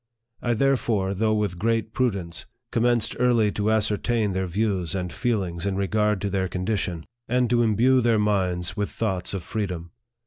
I therefore, though with great prudence, commenced early to ascertain their views and feelings in regard to their condition, and to imbue their minds 84 NARRATIVE OF THE with thoughts of freedom.